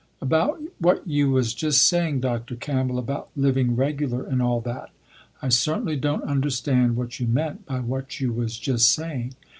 "About what you was just saying Dr. Campbell about living regular and all that, I certainly don't understand what you meant by what you was just saying.